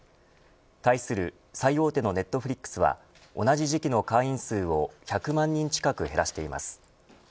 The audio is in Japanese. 対する最大手のネットフリックスは同じ時期の会員数を１００万人近く減らしています。